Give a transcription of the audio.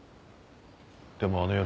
でもあの夜。